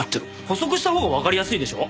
補足したほうがわかりやすいでしょ？